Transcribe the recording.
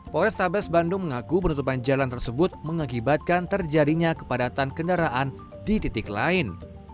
polrestabes bandung mengaku penutupan jalan tersebut mengakibatkan terjadinya kepadatan kendaraan di titik lain